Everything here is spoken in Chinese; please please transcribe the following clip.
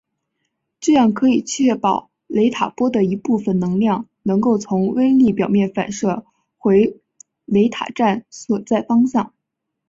这样可以确保雷达波的一部分能量能够从微粒表面反射回雷达站所在方向。